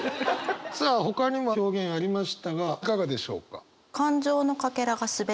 さあほかにも表現ありましたがいかがでしょうか？